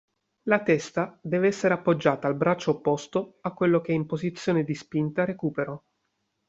La testa deve essere appoggiata al braccio opposto a quello che è in posizione di spinta-recupero.